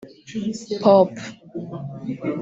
pop